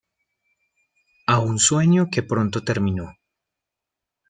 A un sueño que pronto terminó.